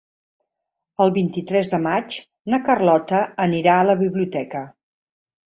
El vint-i-tres de maig na Carlota anirà a la biblioteca.